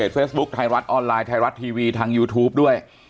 เฟซบุ๊คไทยรัฐออนไลน์ไทยรัฐทีวีทางยูทูปด้วย